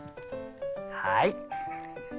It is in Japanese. はい。